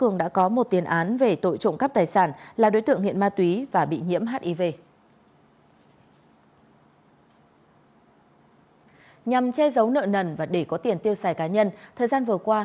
nhằm che giấu nợ nần và để có tiền tiêu xài cá nhân thời gian vừa qua